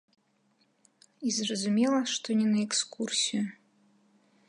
І зразумела, што не на экскурсію.